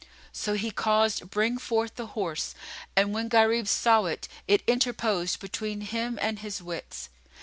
So he caused bring forth the horse, and when Gharib saw it, it interposed between him and his wits.